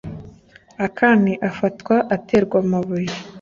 Akani afatwa aterwa amabuye